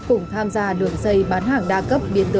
và giúp đỡ người khác